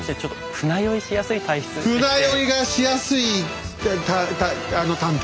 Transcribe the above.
船酔いがしやすい探偵。